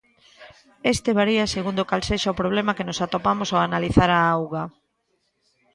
Este varía segundo cal sexa o problema que nos atopamos ao analizar a auga.